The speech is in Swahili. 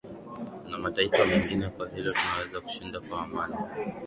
na mataifa mengine kwa hilo tunaweza kushinda kwa amani